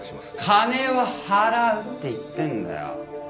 金は払うって言ってんだよ！